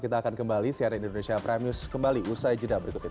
kita akan kembali cnn indonesia prime news kembali usai jeda berikut ini